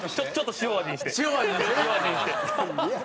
塩味にして。